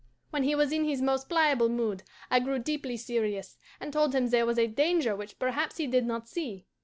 When he was in his most pliable mood, I grew deeply serious, and told him there was a danger which perhaps he did not see.